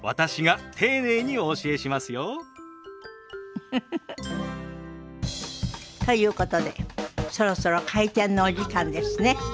ウフフフ。ということでそろそろ開店のお時間ですね。